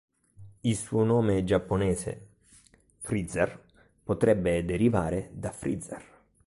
Il suo nome giapponese, フリーザー Freezer, potrebbe derivare da "freezer".